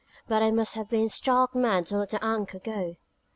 but I must have been stark mad to let the anchor go!